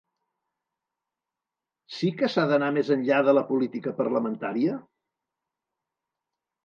Sí que s’ha d’anar més enllà de la política parlamentaria?